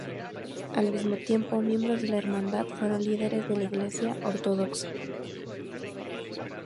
Al mismo tiempo, miembros de la hermandad fueron líderes de la Iglesia Ortodoxa.